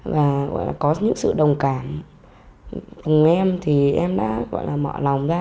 và có những sự đồng cảm cùng em thì em đã gọi là mở lòng ra